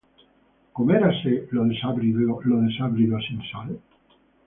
¿Comeráse lo desabrido sin sal?